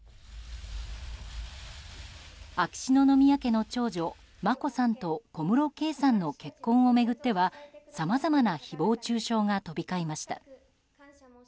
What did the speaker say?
秋篠宮家の長女・眞子さんと小室圭さんの結婚を巡ってはさまざまな誹謗中傷が飛び交いました。